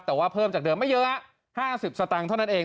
แต่ว่าเพิ่มจากเดิมไม่เยอะ๕๐สตางค์เท่านั้นเอง